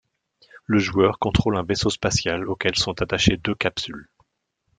Le joueur contrôle un vaisseau spatial auquel sont attachées deux capsules.